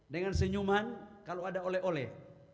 dengan senyuman kalau ada oleh oleh